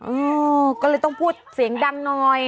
เออก็เลยต้องพูดเสียงดังหน่อย